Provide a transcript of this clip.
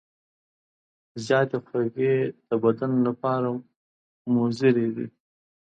زیاتې خوږې د بدن لپاره مضرې دي.